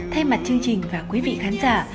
thay mặt chương trình và quý vị khán giả